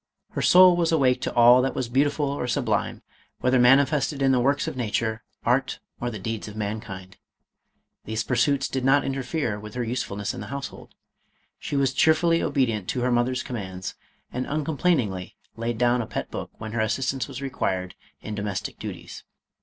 Her soul was awake to all that was beautiful or sublime, whether manifested in the works of nature, art, or the deeds of mankind. These pursuits did not interfere with her usefulness in the household. She was cheerfully obedient to her mother's commands and uncomplainingly laid down a pet book when her as sistance was required in domestic duties.